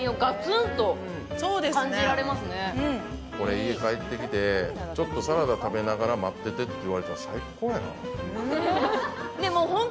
家帰ってきて、ちょっとサラダ食べながら待っててって言われたら最高やな。